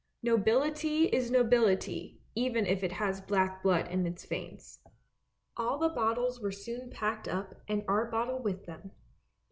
Nobility is nobility even if it has black blood in its veins ! All the bottles were soon packed up and our bottle with them.